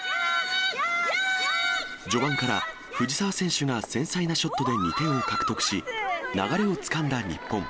序盤から藤澤選手が繊細なショットで２点を獲得し、流れをつかんだ日本。